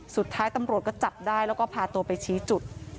สุดท้ายตำรวจก็จับได้แล้วก็พาตัวไปชี้จุด